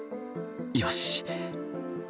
よし。